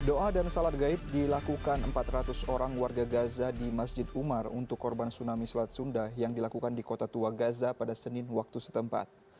doa dan salat gaib dilakukan empat ratus orang warga gaza di masjid umar untuk korban tsunami selat sunda yang dilakukan di kota tua gaza pada senin waktu setempat